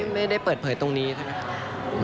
ไม่ได้เปิดเผยตรงนี้ใช่ไหมครับ